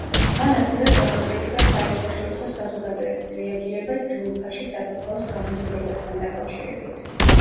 მან ასევე გააკრიტიკა საერთაშორისო საზოგადოების რეაგირება ჯულფაში სასაფლაოს განადგურებასთან დაკავშირებით.